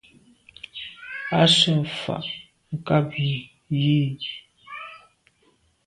À se’ mfà nkàb i yi.